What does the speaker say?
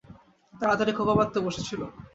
তাড়াতাড়ি খোঁপা বাঁধতে বসেছিলুম!